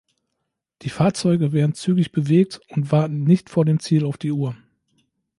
Die Fahrzeuge werden zügig bewegt und warten nicht vor dem Ziel auf die Uhr.